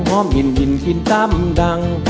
ห้อมกินกินกินตำดัง